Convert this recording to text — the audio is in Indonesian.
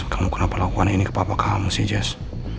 kamu kenapa lakukan ini ke papa kamu sih jess